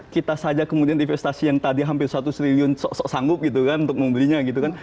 kita saja kemudian investasi yang tadi hampir satu triliun sanggup gitu kan untuk membelinya gitu kan